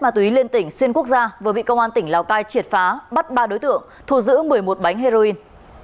má túy lên tỉnh xuyên quốc gia vừa bị công an tỉnh lào cai triệt phá bắt ba đối tượng thù giữ một mươi một bánh heroin